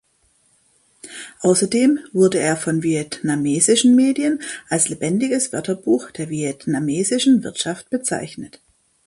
Außerdem wurde er von vietnamesischen Medien als „lebendiges Wörterbuch der vietnamesischen Wirtschaft“ bezeichnet.